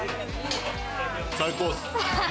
最高っす！